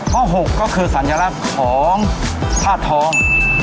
เพราะ๖ก็คือสัญลักษณ์ของถาดทอง